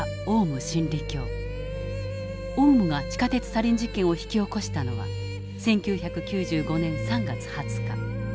オウムが地下鉄サリン事件を引き起こしたのは１９９５年３月２０日。